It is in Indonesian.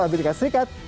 dari amerika serikat